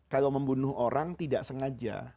kalau membunuh orang tidak sengaja